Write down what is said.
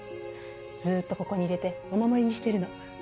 ずっとここに入れてお守りにしてるの。